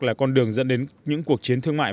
là con đường dẫn đến những cuộc chiến thương mại